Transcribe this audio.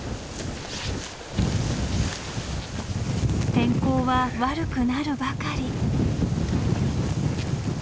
天候は悪くなるばかり。